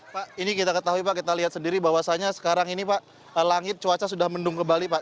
pak ini kita ketahui pak kita lihat sendiri bahwasannya sekarang ini pak langit cuaca sudah mendung kembali pak